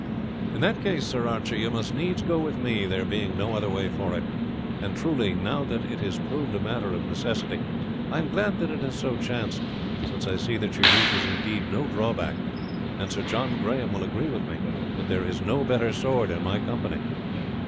"In that case, Sir Archie, you must needs go with me, there being no other way for it, and truly, now that it is proved a matter of necessity, I am glad that it has so chanced, since I see that your youth is indeed no drawback; and Sir John Grahame will agree with me that there is no better sword in my company."